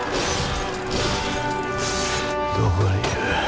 どこにいる？